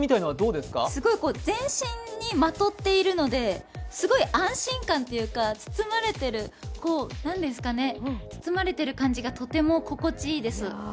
すごい全身にまとっているので、すごい安心感というか、包まれている感じがとても心地いいです。